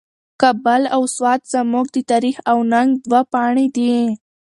کابل او سوات زموږ د تاریخ او ننګ دوه پاڼې دي.